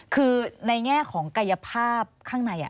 คือในแง่ของกายภาพข้างใน